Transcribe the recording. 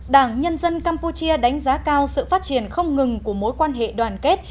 đảng nhân dân campuchia đánh giá cao sự phát triển không ngừng của mối quan hệ đoàn kết